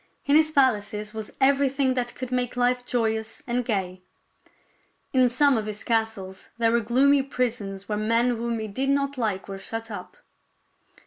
In his palaces was everything that could make life joyous and gay. In some of his castles there were gloomy prisons where men whom he did not like were shut up.